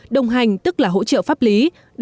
đồng hành tức là hỗ trợ pháp lý